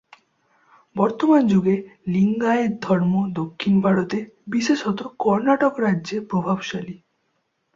বর্তমান যুগে লিঙ্গায়েত ধর্ম দক্ষিণ ভারতে, বিশেষত কর্ণাটক রাজ্যে প্রভাবশালী।